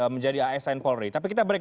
menjadi as saint paul ray tapi kita break